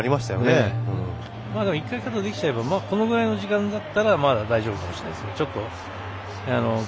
１回、肩できちゃえばこのぐらいの時間だったら大丈夫だと思います。